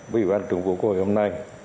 với ủy ban thường vụ quốc hội hôm nay